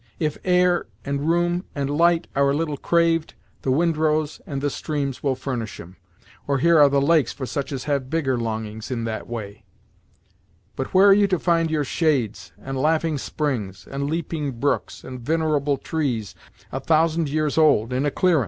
If air, and room, and light, are a little craved, the windrows and the streams will furnish 'em, or here are the lakes for such as have bigger longings in that way; but where are you to find your shades, and laughing springs, and leaping brooks, and vinerable trees, a thousand years old, in a clearin'?